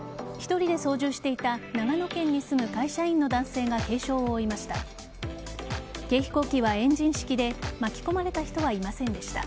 １人で操縦していた長野県に住む会社員の男性が軽傷を負いました。